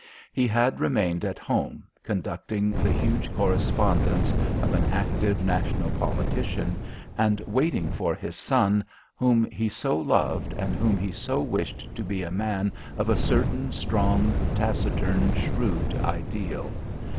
He had remained at home conducting the huge correspondence of an active National politician and waiting for this son whom he so loved and whom he so wished to be a man of a certain strong, taciturn, shrewd ideal.